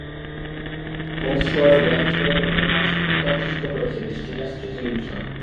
Holmes শহরে জোড়া বিস্ফোরণের ঘটনার সত্যতা নিশ্চিত করেছে দেশটির রাষ্ট্রীয় টেলিভিশন।